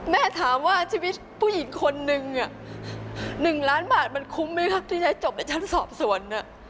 ถามว่าชีวิตผู้หญิงคนนึง๑ล้านบาทมันคุ้มไหมครับที่จะจบในชั้นสอบสวน